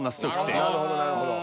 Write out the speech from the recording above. なるほどなるほど。